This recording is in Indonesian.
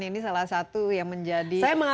ini salah satu yang menjadi